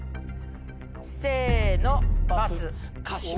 せの！